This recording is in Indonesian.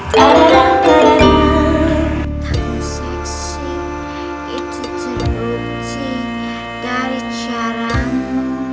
seksi itu terbukti dari caramu